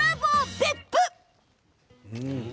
別府！